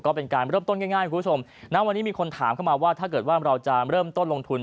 ก็เป็นการเริ่มต้นง่ายคุณผู้ชมณวันนี้มีคนถามเข้ามาว่าถ้าเกิดว่าเราจะเริ่มต้นลงทุน